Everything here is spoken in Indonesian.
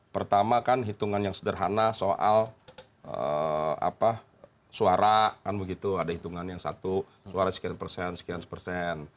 pertama kan hitungan yang sederhana soal suara kan begitu ada hitungan yang satu suara sekian persen sekian sepersan